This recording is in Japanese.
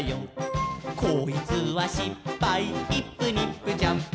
「こいつはしっぱいイップニップジャンプ」